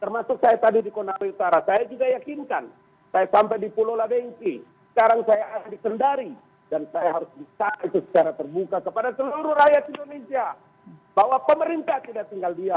terlalu banyak orang yang masih beratus ratus ribu orang